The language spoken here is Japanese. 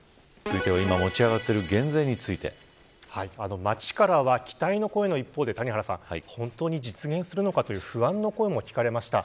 今持ち上がっている街からは、期待の声の一方で谷原さん本当に実現するのかという不安の声も聞かれました。